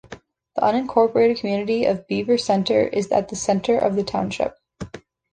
The unincorporated community of Beaver Center is at the center of the township.